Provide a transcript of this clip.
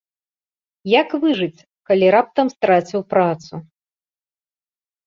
Як выжыць, калі раптам страціў працу?